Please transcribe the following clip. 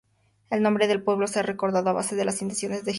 El nombre del pueblo es recordado pese a las intenciones de Hitler.